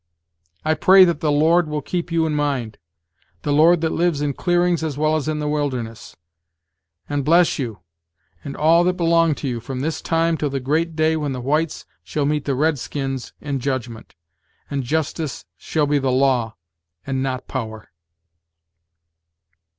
I pray that the Lord will keep you in mind the Lord that lives in clearings as well as in the wilderness and bless you, and all that belong to you, from this time till the great day when the whites shall meet the red skins in judgement, and justice shall be the law, and not power."